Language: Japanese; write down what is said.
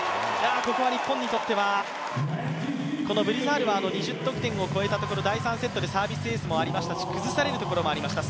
ここは日本にとっては、このブリザールは２０得点を超えたところ、第３セットでサービスエースもありましたし崩されるところもありました。